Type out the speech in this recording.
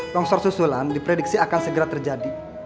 longsor susulan diprediksi akan segera terjadi